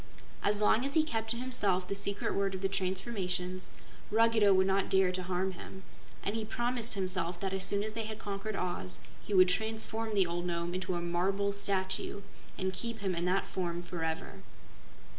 As long as he kept to himself the secret word of the transformations, Ruggedo would not dare to harm him, and he promised himself that as soon as they had conquered Oz, he would transform the old Nome into a marble statue and keep him in that form forever.